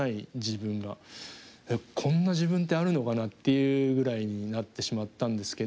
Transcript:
こんな自分ってあるのかなっていうぐらいになってしまったんですけど。